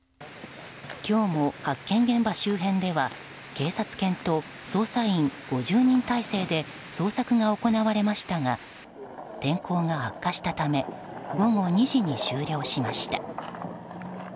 今日も、発見現場周辺では警察犬と捜査員５０人態勢で捜索が行われましたが天候が悪化したため午後２時に終了しました。